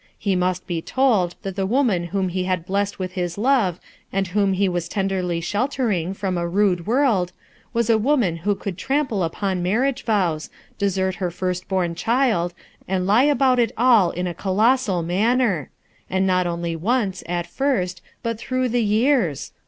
He must be told that the woman whom he had blessed with bis love and whom he was tenderly sheltering 226 RUTH ERSKINE'S SON from a rude world was a woman who could trample upon marriage vows, desert her first born child, and lie about it all in a colossal manner; not only once, at first, but through the years!